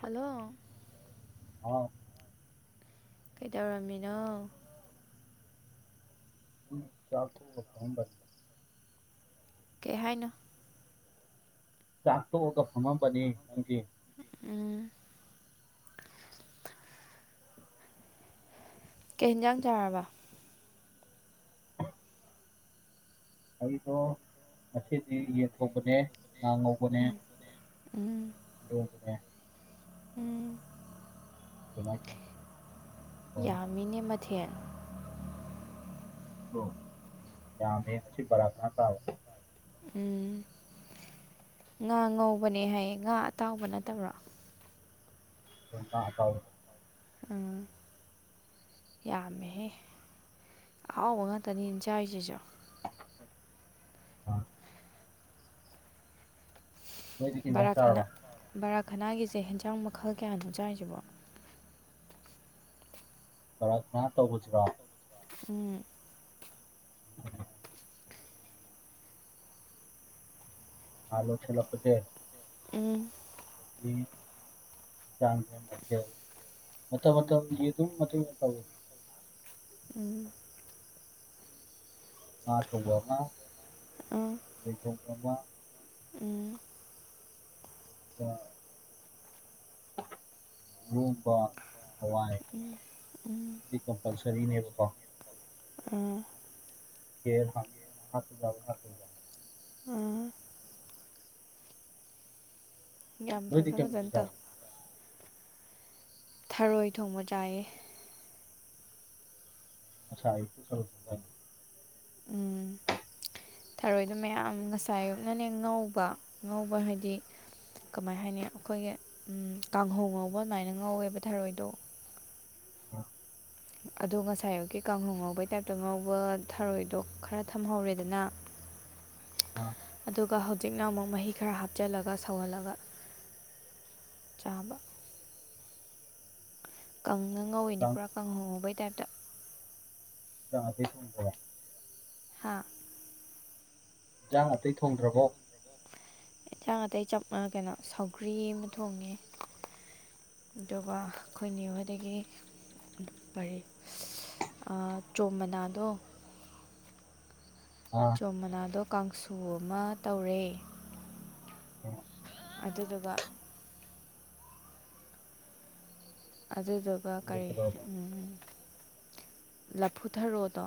hello ꯍꯥꯎ ꯀꯩꯗꯧꯔꯝꯃꯤꯅꯣ [unintelligible] ꯀꯩ ꯍꯥꯏꯅꯣ ꯆꯥꯛ ꯇꯣꯛꯑꯒ ꯐꯝꯃꯝꯕꯅꯦ ꯅꯪꯗꯤ ꯎꯨꯝ ꯀꯩ ꯍꯤꯟꯖꯥꯡ ꯆꯥꯔꯕ ꯑꯩꯗꯣ ꯉꯁꯤꯗꯤ ꯌꯦꯟ ꯊꯣꯡꯕꯅꯦ ꯉꯥ ꯉꯧꯕꯅꯦ [unintelligible] ꯎꯨꯝ ꯌꯥꯝꯃꯤꯅꯦ ꯃꯊꯦꯟ ꯅꯣ ꯌꯥꯃꯦ ꯉꯁꯤ ꯄꯔꯇꯥ ꯇꯥꯕ ꯎꯝ ꯉꯥ ꯉꯧꯕꯅꯦ ꯍꯥꯏꯌꯦ ꯉꯥ ꯑꯇꯥꯎꯕ ꯅꯠꯇꯕ꯭ꯔꯣ [unintelligible] ꯑꯥ ꯌꯥꯝꯃꯦꯍꯦ ꯑꯍꯥꯎꯕ ꯉꯥꯛꯇꯅꯤꯟ ꯆꯥꯥꯏꯁꯤꯁꯣ [unintelligible] ꯕꯥꯔꯥ ꯈꯅꯥ ꯕꯥꯔꯥꯈꯅꯥꯒꯤꯁꯦ ꯍꯦꯟꯖꯥꯡ ꯃꯈꯜ ꯀꯌꯥꯅꯣ ꯆꯥꯏꯖꯦꯕꯣ ꯕꯥꯔꯥ ꯈꯥꯅꯥ ꯇꯧꯕꯁꯤꯔꯣ ꯎꯨꯝ ꯇꯥ ꯂꯣꯏꯁꯤꯜꯂꯛꯄꯁꯦ ꯎꯨꯝ [unintelligible] ꯃꯇꯦꯜ ꯃꯇꯝ ꯃꯇꯝꯒꯤ ꯑꯗꯨꯝ ꯃꯇꯨꯡ ꯏꯟꯅ ꯇꯩꯋꯤ ꯎꯨꯝ ꯉꯥ ꯊꯣꯡꯕ ꯑꯃ ꯌꯦꯟ ꯊꯣꯡꯕ ꯑꯃ ꯎꯨꯝ [unintelligible] ꯔꯣꯝꯕ ꯍꯋꯥꯏ ꯎꯨꯝ ꯎꯨꯝ ꯀꯤ ꯀꯝꯄꯜꯁꯔꯤꯅꯦꯕꯀꯣ ꯑꯥ ꯈꯦꯔ ꯍꯥꯞ [unintelligible] ꯑꯥ ꯌꯥꯝ ꯐꯖ ꯐꯖꯅ ꯇꯧ ꯊꯔꯣꯏ ꯊꯣꯡꯕ ꯆꯥꯏꯌꯦ ꯉꯁꯥꯏ ꯑꯌꯨꯛ [unintelligible] ꯎꯨꯝ ꯊꯔꯣꯏꯗꯣ ꯃꯌꯥꯝ ꯉꯁꯥꯏ ꯑꯌꯨꯛꯅꯅꯦ ꯉꯧꯕ ꯉꯧꯕ ꯍꯥꯏꯗꯤ ꯀꯃꯥꯏ ꯍꯥꯏꯅꯤ ꯑꯩꯈꯣꯏꯒꯤ ꯎꯨꯝ ꯀꯥꯡꯍꯧ ꯉꯧꯕ ꯑꯗꯨꯃꯥꯏꯅ ꯉꯧꯋꯦꯕ ꯊꯔꯣꯏꯗꯣ [inaudible] ꯑꯗꯣ ꯉꯁꯥꯏ ꯑꯌꯨꯛꯀꯤ ꯀꯥꯡꯍꯧ ꯉꯧꯕꯩ ꯇꯥꯏꯞꯇ ꯉꯧꯕ ꯊꯔꯣꯏꯗꯣ ꯈꯔ ꯊꯝꯍꯧꯔꯦꯗꯅ [inaudible] [inaudible] ꯑꯗꯨꯒ ꯍꯧꯖꯤꯛꯅ ꯑꯃꯨꯛ ꯃꯍꯤ ꯈꯔ ꯍꯥꯞꯆꯤꯜꯂꯒ ꯁꯧꯍꯜꯂꯒ ꯆꯥꯕ ꯀꯪꯅ ꯉꯧꯏꯤꯅꯦ ꯄꯨꯔꯥ ꯀꯪꯍꯧꯉꯧꯕꯩ ꯇꯥꯏꯞꯇ ꯆꯗꯤ [unintelligible] ꯍꯥꯥ ꯏꯟꯖꯥꯡ ꯑꯇꯩ ꯊꯣꯡꯗ꯭ꯔꯕꯣ ꯏꯟꯖꯥꯡ ꯑꯇꯩ ꯆꯞ ꯃꯥꯅ ꯀꯩꯅꯣ ꯁꯧꯒ꯭ꯔꯤ ꯑꯃ ꯊꯣꯡꯉꯦ ꯑꯗꯨꯒ ꯑꯩꯈꯣꯏ ꯅꯦꯍꯣꯏꯗꯒꯤ ꯀꯔꯤ ꯑꯥ ꯆꯣꯝ ꯃꯅꯥꯗꯣ ꯑ ꯆꯣꯝ ꯃꯅꯥꯗꯣ ꯀꯥꯡꯁꯨ ꯑꯃ ꯇꯧꯔꯦ [unintelligible] ꯑꯗꯨꯗꯨꯒ ꯑꯗꯨꯗꯨꯒ ꯀꯔꯤ ꯎꯝ ꯂꯥꯐꯨꯊꯔꯣꯗꯣ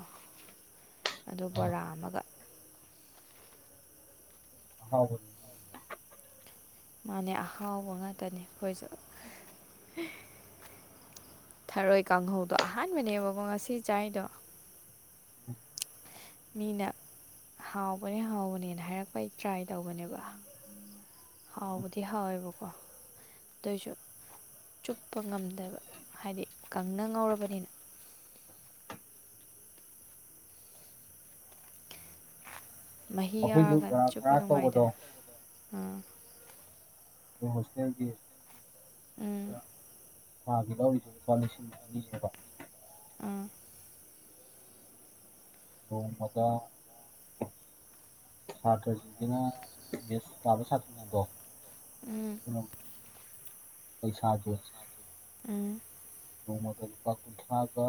ꯑꯗꯨ ꯕꯣꯔꯥ ꯑꯃꯒ ꯍꯥꯎꯕꯅꯦ ꯃꯥꯅꯦ ꯑꯍꯥꯎꯕ ꯉꯥꯛꯇꯅꯦ ꯑꯩꯈꯣꯏꯁꯨ ꯊꯔꯣꯏ ꯀꯥꯡꯍꯧꯗꯣ ꯑꯍꯥꯟꯕꯅꯦꯕꯀꯣ ꯉꯁꯤ ꯆꯥꯏꯗꯣ ꯃꯤꯅ ꯍꯥꯎꯕꯅꯦ ꯍꯥꯎꯕꯅꯦꯅ ꯍꯥꯏꯔꯛꯄꯩ ꯇ꯭ꯔꯥꯏ ꯇꯧꯕꯅꯦꯕ ꯍꯥꯎꯕꯨꯗꯤ ꯍꯥꯎꯋꯦꯕꯀꯣ ꯑꯗꯨꯏꯁꯨ ꯆꯨꯞꯄ ꯉꯝꯗꯦꯕ ꯍꯥꯏꯗꯤ ꯀꯪꯅ ꯉꯧꯔꯕꯅꯤꯅ ꯃꯍꯤ ꯌꯥꯎꯔꯒ ꯆꯨꯞꯄ ꯅꯨꯡꯉꯥꯏꯗꯅ ꯑꯥ ꯃꯣꯏ ꯍꯣꯁꯇꯦꯜꯒꯤ ꯎꯝ ꯊꯥꯒꯤ ꯂꯧꯔꯤꯁꯦ ꯂꯨꯄꯥ ꯂꯤꯁꯤꯡ ꯑꯅꯤꯅꯦꯕ ꯑꯪ ꯅꯣꯡꯃꯗ ꯁꯇ꯭ꯔꯁꯤꯡꯁꯤꯅ ꯃꯦꯁ ꯆꯥꯕ ꯁꯇ꯭ꯔꯁꯤꯡꯗꯣ ꯄꯩꯁꯥꯁꯦ ꯎꯝ ꯅꯣꯡꯃꯗ ꯂꯨꯄꯥ ꯀꯨꯟꯊ꯭ꯔꯥꯒ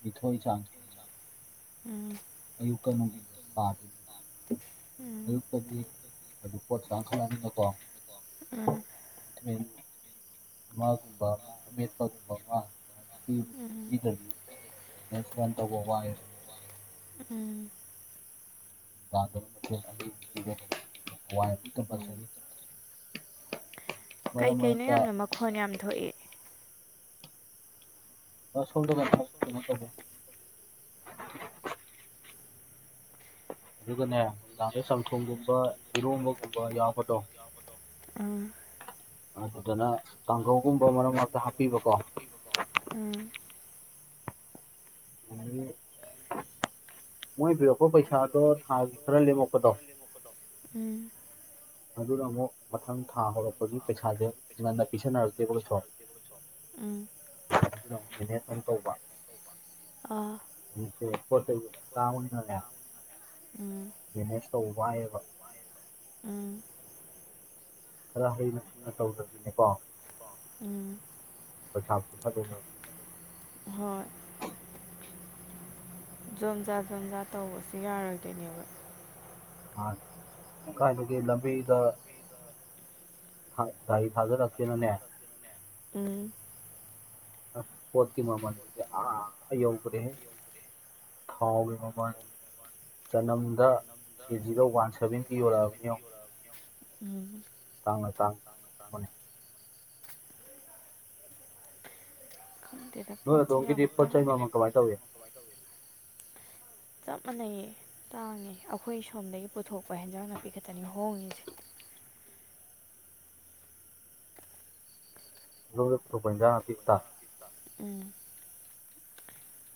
ꯅꯤꯊꯣꯏ ꯆꯥꯡꯅꯦ ꯎꯝ ꯑꯌꯨꯛꯀ ꯅꯨꯡꯊꯤꯜꯒ [inaudible] ꯑꯌꯨꯛꯇꯗꯤ ꯍꯥꯏꯗꯤ ꯃꯣꯠ [inaudible] ꯅꯀꯣ ꯉꯥ ꯒꯨꯝꯕ ꯑꯃ ꯑꯃꯦꯠꯄꯒꯨꯕ ꯑꯃ ꯐꯤ ꯄꯤꯗ‍꯭ꯔꯗꯤ ꯃꯦꯁ ꯄꯥꯂꯟꯇ ꯇꯧꯕ ꯋꯥꯏꯌꯦꯕ ꯎꯝ [inaudible] ꯀꯩꯀꯩꯅꯣ ꯌꯥꯝꯅ ꯃꯈꯣꯟ ꯌꯥꯝ ꯊꯣꯛꯑꯦ ꯁꯣꯝꯗ ꯀꯩꯅꯣ ꯇꯧꯕꯩ ꯑꯗꯨꯒꯅꯦ ꯅꯨꯡꯗꯥꯡꯗ ꯆꯝꯊꯣꯡꯒꯨꯝꯕ ꯏꯔꯣꯝꯕꯒꯨꯝꯕ ꯌꯥꯎꯕꯗꯣ ꯑꯪ ꯑꯗꯨꯗꯅ ꯀꯥꯡꯒꯧꯒꯨꯝꯕ ꯃꯔꯛ ꯃꯔꯛꯇ ꯍꯥꯞꯄꯤꯕꯀꯣ ꯎꯝ [unintelligible] ꯃꯣꯏ ꯄꯤꯔꯛꯄꯣ ꯄꯩꯁꯥꯗꯣ ꯊꯥꯒꯤ ꯈꯔ ꯂꯦꯝꯃꯛꯄꯗꯣ ꯎꯝ ꯑꯗꯨꯅ ꯑꯃꯨꯛ ꯃꯊꯪ ꯊꯥ ꯍꯧꯔꯛꯄꯒꯤ ꯄꯩꯁꯥꯁꯦ ꯉꯟꯅ ꯄꯤꯁꯟꯅꯔꯛꯇꯦꯕ ꯀꯩꯁꯨꯛ ꯃꯦꯅꯦꯁ ꯑꯃꯨꯛ ꯇꯧꯕ ꯄꯣꯠ ꯆꯩ ꯁꯨ ꯇꯥꯡꯕꯅꯤꯅꯅꯦ ꯎꯝ ꯖꯤꯅꯦꯁ ꯇꯧꯕ ꯋꯥꯏꯌꯦꯕ ꯑꯥ ꯈꯔ ꯍꯩꯩꯅ ꯁꯤꯡꯅ ꯇꯧꯗ꯭ꯔꯗꯤꯅꯦꯀꯣ ꯎꯝ ꯄꯩꯁꯥ ꯄꯨꯊꯗꯣꯏꯅꯦ ꯍꯣꯏ ꯖꯣꯝꯖꯥ ꯖꯣꯝꯖꯥ ꯇꯧꯕꯁꯨ ꯌꯥꯔꯣꯏꯗꯣꯏꯅꯦꯕ ꯃꯥꯅꯤ ꯀꯥꯏꯅꯗꯒꯤ ꯂꯝꯕꯤꯗ ꯍ ꯒꯥꯔꯤ ꯊꯥꯖꯜꯂꯛꯇꯦꯅꯅꯦ ꯎꯝ ꯑꯁ ꯄꯣꯠꯀꯤ ꯃꯃꯜ ꯑꯥ ꯌꯧꯒ꯭ꯔꯦꯍꯦ ꯊꯥꯎꯒꯤ ꯃꯃꯜ ꯆꯅꯝꯗ ꯀꯦꯖꯤꯗ ꯋꯥꯟ ꯁꯚꯦꯟꯇꯤ ꯌꯣꯜꯂꯛꯑꯕꯅꯦ ꯌꯦꯡꯎ [unintelligible] ꯇꯥꯡꯂꯒ ꯇꯥꯡ ꯅꯣꯏ ꯑꯗꯣꯝꯒꯤꯗꯤ ꯄꯣꯠ ꯆꯩ ꯃꯃꯜ ꯀꯃꯥꯏ ꯇꯧꯏ ꯆꯞ ꯃꯥꯟꯅꯩꯌꯦ ꯇꯥꯡꯉꯦ ꯑꯩꯈꯣꯏ ꯁꯣꯝꯗꯒꯤ ꯄꯨꯊꯣꯛꯄ ꯍꯦꯟꯖꯥꯡ ꯅꯥꯄꯤ ꯈꯛꯇꯅꯤ ꯍꯣꯡꯉꯤꯁꯦ ꯑꯗꯣꯝꯗꯩ ꯄꯨꯊꯣꯛꯄ ꯍꯦꯟꯖꯥꯡ ꯅꯥꯄꯤ ꯈꯇ ꯎꯝ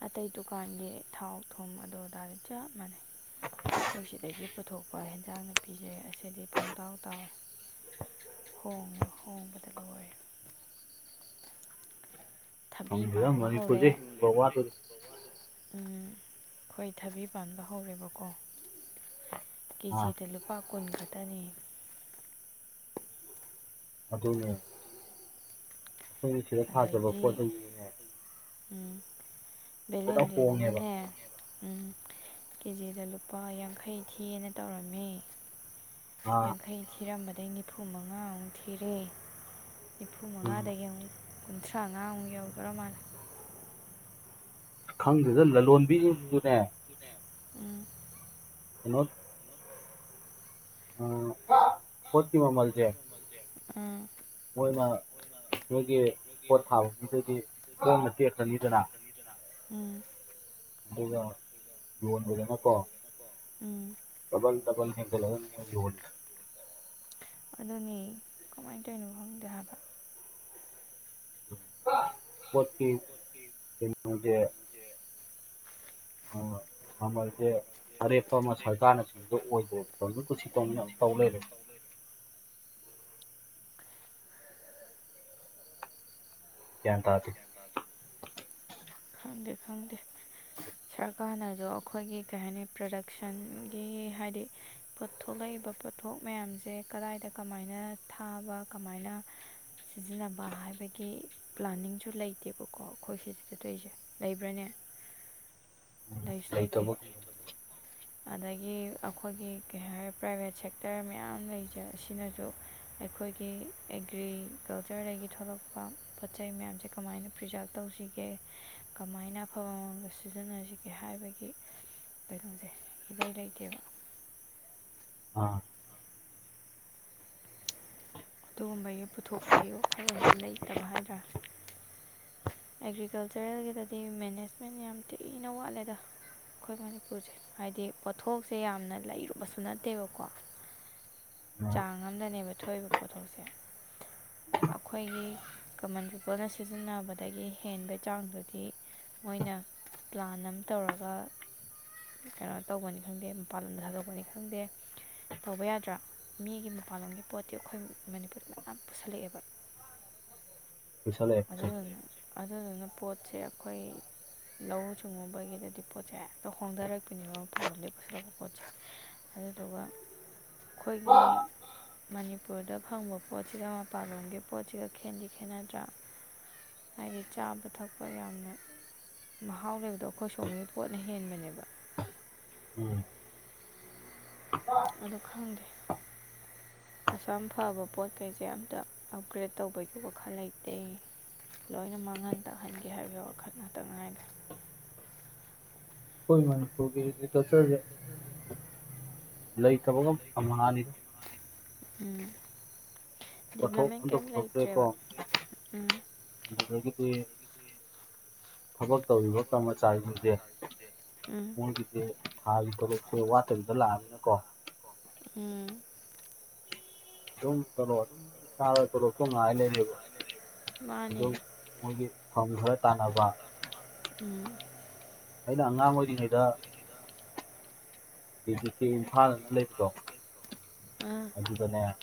ꯑꯇꯩ ꯗꯨꯀꯥꯟꯒꯤ ꯊꯥꯎ ꯊꯨꯝ ꯑꯗꯨꯗꯥꯗꯤ ꯆꯞ ꯃꯥꯟꯅꯩ ꯑꯩꯈꯣꯏ ꯁꯤꯗꯒꯤ ꯄꯨꯊꯣꯛꯄ ꯏꯟꯖꯥꯡ ꯅꯥꯄꯤꯖꯦ ꯑꯁꯤꯗꯤ ꯄꯨꯡ ꯇꯥꯎ ꯇꯥꯎꯔꯦ ꯍꯣꯡꯉꯦ ꯍꯣꯡꯕꯗ ꯂꯣꯏꯔꯦ ꯊꯕꯤ ꯄꯥꯟꯕ ꯍꯧꯔꯦ ꯎꯝ ꯑꯩꯈꯣꯏ ꯊꯕꯤ ꯄꯥꯟꯕ ꯍꯧꯔꯦꯕꯀꯣ ꯀꯦꯖꯤꯗ ꯂꯨꯄꯥ ꯀꯨꯟ ꯈꯛꯇꯅꯤ ꯑꯗꯨꯅꯦ ꯑꯩꯈꯣꯏꯒꯤ ꯁꯤꯗ ꯊꯥꯖꯕ ꯄꯣꯠꯆꯩꯖꯤꯗꯤꯅꯦ ꯎꯝ ꯕꯦꯂꯦꯟꯗ꯭ꯔꯤꯗꯨꯅꯅꯦ ꯎꯝ ꯀꯦꯖꯤꯗ ꯂꯨꯄꯥ ꯌꯥꯡꯈꯩ ꯊꯤꯌꯦꯅ ꯇꯧꯔꯝꯃꯦ ꯌꯥꯡꯈꯩ ꯊꯤꯔꯝꯕꯗꯩ ꯅꯤꯐꯨ ꯃꯉꯥ ꯑꯃꯨꯛ ꯊꯤꯔꯦ ꯅꯤꯐꯨ ꯃꯉꯥꯗꯒꯤ ꯑꯃꯨꯛ ꯀꯨꯟꯊ꯭ꯔꯥꯉꯥ ꯑꯃꯨꯛ ꯌꯧꯒ꯭ꯔ ꯃꯥꯜꯂꯦ ꯈꯪꯗꯦꯗ ꯂꯂꯣꯟꯕꯤꯁꯤꯡꯖꯤꯖꯨꯅꯦ ꯎꯝ ꯍꯜꯂꯣ ꯑ ꯄꯣꯠꯀꯤ ꯃꯃꯜꯖꯦ ꯑꯥ ꯃꯣꯏꯅ ꯃꯣꯏꯒꯤ ꯄꯣꯠ ꯊꯥꯕꯝꯁꯤꯗꯗꯤ ꯍꯣꯡꯅ ꯇꯦꯛꯈ꯭ꯔꯅꯤꯗꯅ ꯎꯝ ꯑꯗꯨꯒ ꯌꯣꯟꯕꯗꯅꯀꯣ ꯗꯕꯜ ꯗꯕꯜ ꯍꯦꯟꯒꯠꯂꯒꯅꯤ ꯃꯣꯏ ꯌꯣꯜꯂꯤꯖꯦ ꯑꯗꯨꯅꯦ ꯀꯃꯥꯏꯅ ꯇꯩꯅꯣ ꯈꯪꯗꯦ ꯍꯥꯏꯕ ꯄꯣꯠꯀꯤ ꯀꯩꯅꯣꯖꯦ ꯃꯃꯜ ꯃꯃꯜꯁꯦ ꯑꯔꯦꯞꯄ ꯑꯃ ꯁꯔꯀꯥꯔꯅ ꯄꯤꯕ ꯑꯣꯏꯗ꯭ꯔꯦꯕ ꯌꯣꯟꯕꯩ ꯀꯨꯁꯤ ꯇꯧꯅꯤꯅ ꯇꯧ ꯂꯩꯔꯦ ꯒ꯭ꯌꯥꯟ ꯇꯥꯗꯦ ꯈꯪꯗꯦ ꯈꯪꯗꯦ ꯁꯔꯀꯥꯔꯅꯁꯨ ꯑꯩꯈꯣꯏꯒꯤ ꯀꯩ ꯍꯥꯏꯅꯤ ꯄ꯭ꯔꯗꯛꯁꯟꯒꯤ ꯍꯥꯏꯗꯤ ꯄꯣꯠꯊꯂꯛꯏꯕ ꯄꯣꯠꯊꯣꯛ ꯃꯌꯥꯝꯁꯦ ꯀꯗꯥꯏꯗ ꯀꯃꯥꯏꯅ ꯊꯥꯕ ꯀꯃꯥꯏꯅ ꯁꯤꯖꯤꯟꯅꯕ ꯍꯥꯏꯕꯒꯤ ꯄ꯭ꯂꯥꯅꯤꯡꯁꯨ ꯂꯩꯇꯦꯕꯀꯣ ꯑꯩꯈꯣꯏ ꯁꯤꯗ ꯑ ꯇꯣꯏꯁꯦ ꯂꯩꯕ꯭ꯔꯅꯦ ꯂꯩꯁꯨ ꯂꯩꯇꯦ ꯑꯗꯒꯤ ꯑꯩꯈꯣꯏꯒꯤ ꯀꯩ ꯍꯥꯏ ꯄ꯭ꯔꯥꯏꯚꯦꯠ ꯁꯦꯛꯇꯔ ꯃꯌꯥꯝ ꯂꯩꯖꯩ ꯑꯁꯤꯅꯁꯨ ꯑꯩꯈꯣꯏꯒꯤ ꯑꯦꯒ꯭ꯔꯤꯀꯜꯆꯔꯗꯒꯤ ꯊꯣꯛꯂꯛꯄ ꯄꯣꯠ ꯆꯩ ꯃꯌꯥꯝꯁꯦ ꯀꯃꯥꯏꯅ ꯄ꯭ꯔꯤꯖꯥꯞ ꯇꯧꯁꯤꯒꯦ ꯀꯃꯥꯏꯅ ꯑꯐꯕ ꯃꯑꯣꯡꯗ ꯁꯤꯖꯤꯟꯅꯁꯤꯒꯦ ꯍꯥꯏꯕꯒꯤ ꯀꯩꯅꯣꯁꯦ ꯏꯂꯩ ꯂꯩꯇꯦꯕ ꯑꯥ ꯑꯗꯨꯒꯨꯝꯕꯒꯤ ꯄꯨꯊꯣꯛꯄꯒꯤ ꯋꯥꯈꯜꯂꯣꯟꯁꯦ ꯂꯩꯇꯕ ꯍꯥꯏꯇꯥꯔꯦ ꯑꯦꯒ꯭ꯔꯤꯀꯜꯆꯔꯦꯜꯒꯤꯗꯗꯤ ꯃꯦꯅꯦꯖꯃꯦꯟ ꯌꯥꯝ ꯊꯤꯅ ꯋꯥꯠꯂꯦꯗ ꯑꯩꯈꯣꯏ ꯃꯅꯤꯄꯨꯔꯁꯦ ꯍꯥꯏꯗꯤ ꯄꯣꯠꯊꯣꯛꯁꯦ ꯌꯥꯝꯅ ꯂꯩꯔꯨꯕꯁꯨ ꯅꯠꯇꯦꯕꯀꯣ ꯆꯥꯡ ꯑꯃꯗꯅꯦꯕ ꯊꯣꯛꯏꯕ ꯄꯣꯠꯊꯣꯛꯁꯦ ꯑꯩꯈꯣꯏꯒꯤ ꯀꯃꯟ ꯄꯤꯄꯜꯅ ꯁꯤꯖꯤꯟꯅꯕꯗꯒꯤ ꯍꯦꯟꯕꯩ ꯆꯥꯡꯗꯨꯗꯤ ꯃꯣꯏꯅ ꯄ꯭ꯂꯥꯟ ꯑꯃ ꯇꯧꯔꯒ ꯀꯩꯅꯣ ꯇꯧꯕꯅꯤ ꯈꯪꯗꯦ ꯃꯄꯥꯟ ꯂꯝꯗ ꯊꯥꯗꯣꯛꯄꯅꯤ ꯈꯪꯗꯦ ꯇꯧꯕ ꯌꯥꯗ꯭ꯔꯥ ꯃꯤꯒꯤ ꯃꯄꯥꯟꯂꯣꯝꯒꯤ ꯄꯣꯠꯇꯤ ꯑꯩꯈꯣꯏ ꯃꯅꯤꯄꯨꯔꯗ ꯃꯌꯥꯝ ꯄꯨꯁꯜꯂꯛꯑꯦꯕ ꯑꯗꯨꯅꯅꯦ ꯑꯗꯨꯗꯨꯅ ꯄꯣꯠꯁꯦ ꯑꯩꯈꯣꯏ ꯂꯧꯎ ꯁꯤꯡꯎꯕꯒꯤꯗꯗꯤ ꯄꯣꯠꯁꯦ ꯍꯦꯛꯇ ꯍꯣꯡꯗꯔꯛꯄꯤꯅꯦꯕ ꯃꯄꯥꯜ ꯂꯝꯗꯩ ꯄꯨꯁꯟꯂꯛꯄ ꯄꯣꯠꯁꯦ ꯑꯗꯨꯗꯨꯒ ꯑꯩꯈꯣꯏꯒꯤ ꯃꯅꯤꯄꯨꯔꯗ ꯐꯪꯕ ꯄꯣꯠꯁꯤꯒ ꯃꯄꯥꯟꯂꯣꯝꯒꯤ ꯄꯣꯠꯁꯤꯒ ꯈꯦꯠꯗꯤ ꯈꯦꯠꯅꯗ꯭ꯔꯥ ꯍꯥꯏꯗꯤ ꯆꯥꯕ ꯊꯛꯄ ꯌꯥꯝꯅ ꯃꯍꯥꯎ ꯂꯩꯕꯗꯣ ꯑꯩꯈꯣꯏ ꯁꯣꯝꯕꯒꯤ ꯄꯣꯠꯅ ꯍꯦꯟꯕꯅꯦꯕ ꯎꯝ ꯑꯗꯨ ꯈꯪꯗꯦ ꯑꯁꯥꯝ ꯐꯕ ꯄꯣꯠ ꯀꯩꯁꯦ ꯑꯝꯇ ꯑꯞꯒ꯭ꯔꯦꯗ ꯇꯧꯕꯒꯤ ꯋꯥꯈꯜ ꯂꯩꯇꯦ ꯂꯣꯏꯅ ꯃꯥꯡꯍꯟ ꯇꯛꯍꯟꯒꯦ ꯍꯥꯏꯕꯒꯤ ꯋꯥꯈꯜ ꯉꯥꯛꯇ ꯉꯥꯏꯗꯦ ꯑꯩꯈꯣꯏ ꯃꯅꯤꯄꯨꯔꯒꯤ ꯑꯦꯒ꯭ꯔꯤꯀꯜꯆꯔꯁꯦ ꯂꯩꯇꯕꯒ ꯑꯝꯍꯥꯅꯤꯗ ꯎꯝ ꯗꯤꯕꯂꯞꯃꯦꯟ ꯀꯩꯝ ꯂꯩꯇ꯭ꯔꯦꯕ ꯎꯝ ꯑꯗꯨꯗꯒꯤꯗꯤ ꯊꯕꯛ ꯇꯧꯔꯤꯕ ꯀꯃ ꯆꯥꯔꯤꯁꯤꯁꯦ ꯎꯝ ꯃꯣꯏꯒꯤꯗꯤ ꯊꯥꯒꯤ ꯇꯣꯂꯣꯞꯁꯦ ꯋꯥꯠꯇꯕꯤꯗ ꯂꯥꯛꯑꯕꯅꯤꯅꯀꯣ ꯎꯝ ꯑꯗꯨꯝ ꯇꯣꯂꯣꯞ ꯑꯗꯨꯝ ꯆꯥꯔ ꯇꯣꯂꯣꯞꯇꯣ ꯉꯥꯏ ꯂꯩꯔꯕ ꯑꯗꯨ ꯃꯣꯏꯒꯤ ꯐꯝ ꯈꯔ ꯇꯥꯟꯅꯕ ꯎꯝ ꯑꯩꯅ ꯑꯉꯥꯡ ꯑꯣꯏꯔꯤꯉꯩꯗ ꯗꯤ ꯖꯤꯄꯤ ꯏꯝꯐꯥꯜꯅ ꯂꯩꯕꯗꯣ ꯑꯥ ꯑꯗꯨꯗꯅꯦ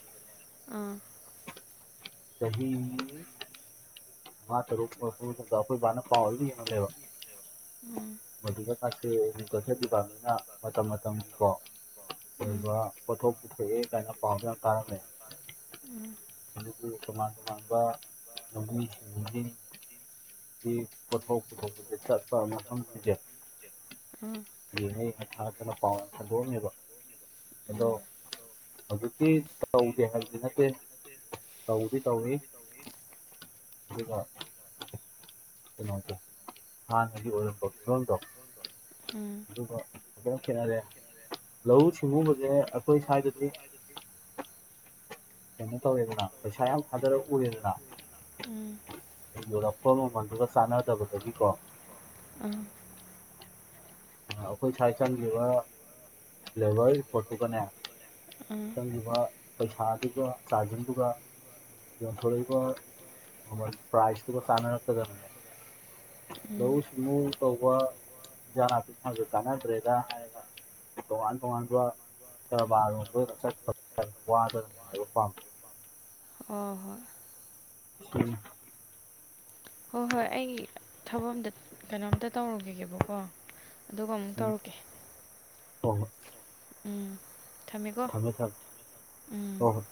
ꯆꯍꯤ ꯃꯉꯥ ꯇꯥ ꯔꯨꯛ ꯁꯨꯔꯛꯄ ꯃꯇꯝꯗ ꯑꯩꯈꯣꯏ ꯕꯥꯅ ꯄꯥꯎ ꯢ ꯂꯦꯕ ꯃꯗꯨꯒꯁꯤ ꯀꯔꯤꯀꯜꯆꯔ ꯗꯤꯄꯥꯔꯠꯃꯦꯟꯅ ꯃꯇꯝ ꯃꯇꯝꯒꯤꯀꯣ ꯑꯣꯏꯕ ꯄꯣꯊꯣꯛ ꯄꯨꯊꯣꯛꯑꯦ ꯀꯥꯏꯅ ꯄꯥꯎꯁꯨ ꯌꯥꯝ ꯇꯥꯔꯝꯃꯦ ꯎꯝ ꯃꯅꯤꯄꯨꯔꯒꯤ ꯇꯣꯉꯥꯟ ꯇꯣꯉꯥꯟꯕ ꯂꯧꯃꯤꯁꯤꯟꯃꯤꯁꯤꯡ ꯒꯤ ꯄꫭꯠꯊꫭꯛ ꯄꯨꯊꫭꯛꯄꯗ ꯆꯠꯄ ꯃꯐꯝꯁꯤꯡꯖꯦ ꯎꯝ ꯌꯦꯡꯉ ꯌꯦꯡꯉ ꯊꯥꯔꯛꯇꯅ ꯄꯥꯎ ꯌꯥꯝ ꯁꯟꯗꫭꯛꯑꯝꯃꯦꯕ ꯑꯗꯣ ꯍꯧꯖꯤꯛꯇꯤ ꯇꯧꯗꯦ ꯍꯥꯏꯕꯗꯤ ꯅꯠꯇꯦ ꯇꯧꯗꯤ ꯇꯧꯋꯤ ꯑꯗꯨꯒ ꯀꯩꯅꫭꯁꯦ ꯍꯥꯟꯅꯒꯤ ꯑꫭꯏꯔꯝꯕ ꯐꯤꯚꯝꯗꫭ ꯎꯝ ꯑꯗꯨꯒ ꯐꯖꯅ ꯈꯦꯠꯅꯔꯦ ꯂꯧꯎ ꯁꯤꯡꯎꯕꯁꯦ ꯑꯩꯈꯣꯏ ꯁ꯭ꯋꯥꯏꯗꯗꯤ ꯀꯩꯅꯣ ꯇꯧꯋꯦꯗꯅ ꯄꯩꯁꯥ ꯌꯥꯝ ꯊꯥꯗꯔ ꯎꯔꯦꯗꯅ ꯎꯝ ꯌꫭꯜꯂꯛꯄ ꯃꯃꯜꯗꯨꯒ ꯆꯥꯟꯅꯗꯕꯗꯒꯤꯀꯣ ꯎꯝ ꯑꯩꯈꯣꯏ ꯁꯥꯏ ꯆꯪꯈꯤꯕ ꯂꯦꯕꯔ ꯔꯤꯄꯣꯠꯇꯨꯒꯅꯦ ꯎꯝ ꯆꯪꯒꯤꯕ ꯄꯩꯁꯥꯗꯨꯒ ꯆꯥꯔꯖꯤꯡꯗꯨꯒ ꯌꫭꯟ ꯊꯣꯔꯛ ꯏꯕ ꯃꯃꯜ ꯄ꯭ꯔꯥꯏꯁꯇꯨꯒ ꯆꯥꯅꯔꯛꯇꯗꯅꯅꯦ ꯂꯧꯎ ꯁꯤꯡꯎ ꯇꯧꯕ ꯏꯟꯖꯥꯡꯅꯥꯄꯤ ꯊꯥꯕꯁꯦ ꯀꯥꯟꯅꯗ꯭ꯔꯦꯗ ꯍꯥꯏꯔꯒꯅꯦ ꯇꯣꯉꯥꯟ ꯇꯣꯉꯥꯟꯕ ꯀꯔꯕꯥꯔ ꯂꯣꯝꯗ ꯑꯣꯏꯅ ꯆꯠꯈ꯭ꯔꯕ ꯍꯥꯏꯇꯥꯔꯦ ꯋꯥꯗꯅ ꯅꯨꯡꯉꯥꯏꯕ ꯄꯥꯝꯕ ꯑꯣ ꯍꯣꯏ ꯎꯝ ꯍꯣꯏ ꯍꯣꯏ ꯑꯩ ꯊꯕꯛ ꯑꯝꯗ ꯀꯩꯅꯣꯝꯇ ꯇꯧꯔꯨꯒꯦꯒꯦꯕꯀꯣ ꯑꯗꯨꯒ ꯑꯃꯨꯛ ꯇꯧꯔꯛꯀꯦ ꯍꫭ ꯍꫭꯏ ꯎꯝ ꯊꯝꯃꯦ ꯊꯝ ꯍꯣꯏ ꯍꯣꯏ